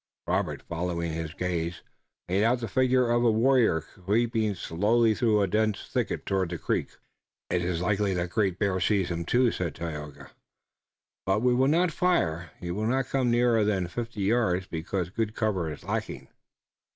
Robert, following his gaze, made out the figure of a warrior creeping slowly through a dense thicket toward the creek. "It is likely that Great Bear sees him, too," said Tayoga, "but we will not fire. He will not come nearer than fifty yards, because good cover is lacking."